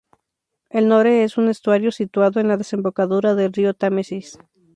El Nore es un estuario situado en la desembocadura del río Támesis.